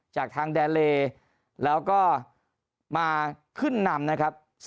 จากทางแดเลแล้วก็มาขึ้นนำนะครับ